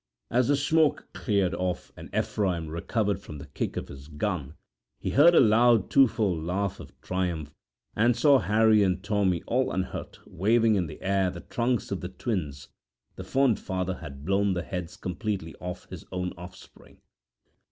As the smoke cleared off and Ephraim recovered from the kick of his gun, he heard a loud twofold laugh of triumph and saw Harry and Tommy, all unhurt, waving in the air the trunks of the twins the fond father had blown the heads completely off his own offspring.